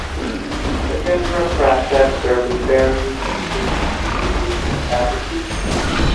Rajendra Prasad served in various educational institutions as a teacher.